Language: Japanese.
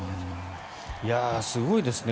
すごいですね。